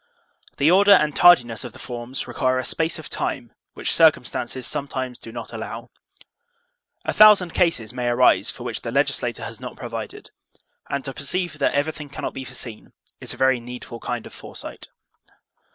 The order and tardiness of the forms require a space of time which circumstances sometimes do not allow. A thousand cases may arise for which the legislator has not provided, and to perceive that everything cannot be foreseen is a very needful kind of foresight.